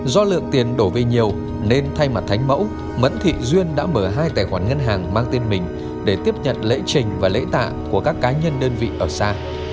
do lượng tiền đổ về nhiều nên thay mặt thánh mẫu mẫn thị duyên đã mở hai tài khoản ngân hàng mang tên mình để tiếp nhận lễ trình và lễ tạ của các cá nhân đơn vị ở xa